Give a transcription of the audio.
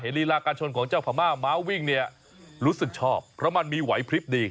รีลาการชนของเจ้าพม่าม้าวิ่งเนี่ยรู้สึกชอบเพราะมันมีไหวพลิบดี